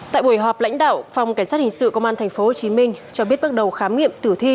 tại buổi họp lãnh đạo phòng cảnh sát hình sự công an tp hcm cho biết bước đầu khám nghiệm tử thi